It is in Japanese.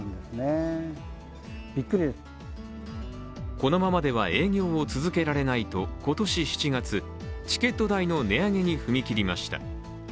このままでは営業を続けられないと今年７月、チケット代の値上げに踏み切りました。